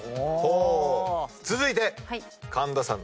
続いて神田さん。